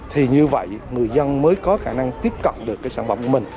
thì như vậy người dân mới có khả năng tiếp cận được cái sản phẩm của mình